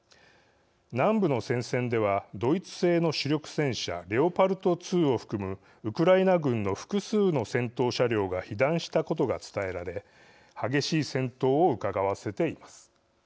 南部の戦線ではドイツ製の主力戦車レオパルト２を含むウクライナ軍の複数の戦闘車両が被弾したことが伝えられ激しい戦闘をうかがわせています。